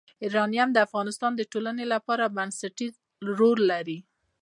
یورانیم د افغانستان د ټولنې لپاره بنسټيز رول لري.